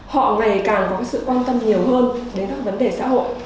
họ ngày càng có sự quan tâm nhiều hơn đến các vấn đề xã hội